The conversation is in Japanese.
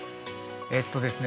えっとですね